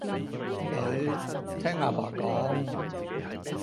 女，聽阿爸講